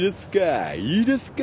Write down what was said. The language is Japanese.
いいですか？